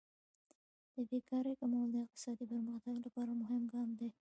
د بیکارۍ کمول د اقتصادي پرمختګ لپاره مهم ګام دی.